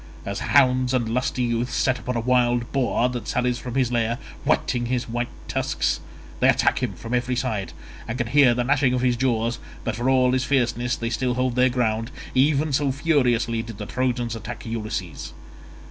As hounds and lusty youths set upon a wild boar that sallies from his lair whetting his white tusks—they attack him from every side and can hear the gnashing of his jaws, but for all his fierceness they still hold their ground—even so furiously did the Trojans attack Ulysses.